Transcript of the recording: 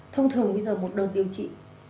thông thường bây giờ một đợt điều trị